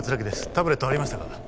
タブレットありましたか？